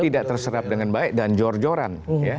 tidak terserap dengan baik dan jor joran